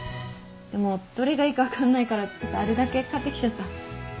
でもどれがいいか分かんないからあるだけ買ってきちゃった。